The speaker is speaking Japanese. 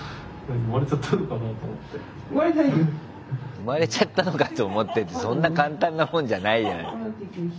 産まれちゃったのかと思ってってそんな簡単なもんじゃないじゃん。